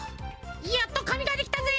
やっとかみができたぜ。